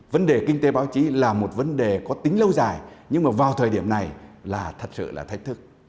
vấn đề kinh tế báo chí là một vấn đề có tính lâu dài nhưng mà vào thời điểm này là thật sự là thách thức